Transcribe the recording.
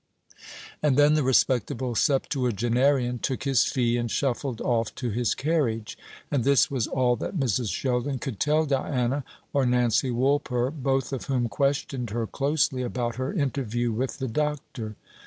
And then the respectable septuagenarian took his fee, and shuffled off to his carriage. And this was all that Mrs. Sheldon could tell Diana, or Nancy Woolper, both of whom questioned her closely about her interview with the doctor.